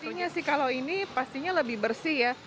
pastinya sih kalau ini pastinya lebih bersih ya